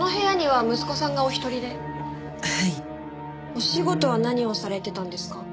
お仕事は何をされてたんですか？